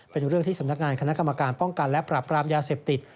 เป็นเรื่องที่สำนักงานคณะกรรมการป้องกันและปรับปรามยาเสพติด